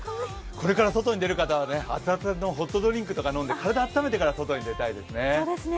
これから外に出る方は熱々のホットドリンクを飲んで体を温めてから外に出たいですね。